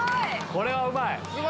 これはうまい！